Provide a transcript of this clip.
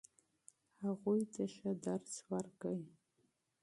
هغوی ته ښه تعلیم ورکړئ.